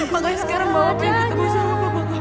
makanya sekarang mama mau ketemu sama mama kamu